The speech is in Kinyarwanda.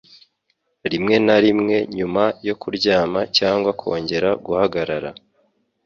rimwe na rimwe nyuma yo kuryama cyangwa kongera guhagarara